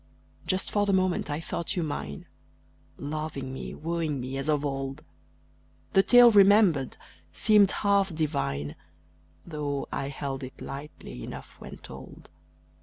Just for the moment I thought you mine Loving me, wooing me, as of old. The tale remembered seemed half divine Though I held it lightly enough when told.